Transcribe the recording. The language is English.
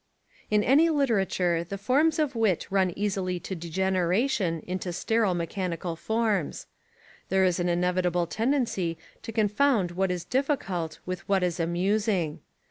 In any literature the forms of wit run easily to degeneration into sterile mechanical forms. There is an inevitable tendency to confound what is difficult with what is amusing.